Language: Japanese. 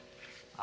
あ。